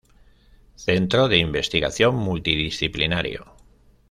Centro de Investigación multidisciplinario.